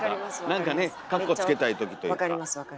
何かねかっこつけたいときというか。